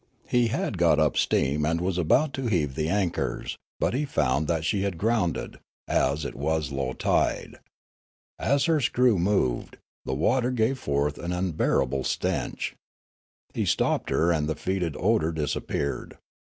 He had got up steam and was about to heave the anchors, but he found that she had grounded, as it was low tide. As her screw moved, the water gave forth an unbearable stench. He stopped her and the fetid odour disappeared.